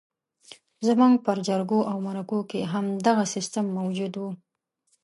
زموږ پر جرګو او مرکو کې همدغه سیستم موجود وو.